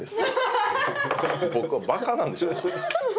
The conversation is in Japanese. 僕はバカなんでしょうか？